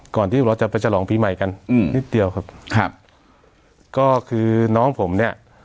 ก่อนที่เราจะไปฉลองปีใหม่กันอืมนิดเดียวครับครับก็คือน้องผมเนี่ย